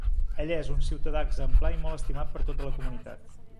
Ell és un ciutadà exemplar i molt estimat per tota la comunitat.